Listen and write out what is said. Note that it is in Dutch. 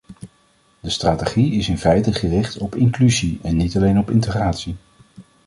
De strategie is in feite gericht op inclusie, en niet alleen op integratie.